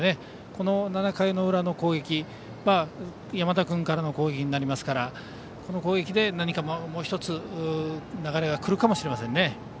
この７回の裏の攻撃山田君からの攻撃になりますからこの攻撃で何かもう１つ流れが来るかもしれませんね。